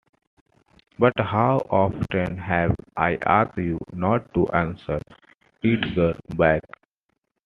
But how often have I asked you not to answer Edgar back?